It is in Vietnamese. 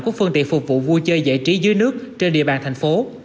của phương tiện phục vụ vui chơi giải trí dưới nước trên địa bàn tp